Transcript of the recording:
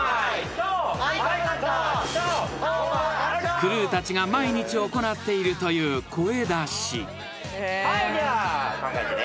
［クルーたちが毎日行っているという声出し］では考えてね。